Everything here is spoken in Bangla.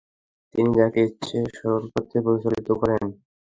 তিনি যাকে ইচ্ছে সরল পথে পরিচালিত করেন।